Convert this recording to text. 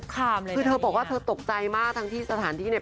คือเธอบอกว่าเธอตกใจมากทั้งที่สถานที่เนี่ย